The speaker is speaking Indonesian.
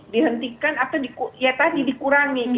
dihentikan atau ya tadi dikurangi